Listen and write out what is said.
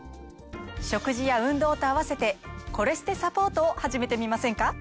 食事や運動と合わせてコレステサポートを始めてみませんか？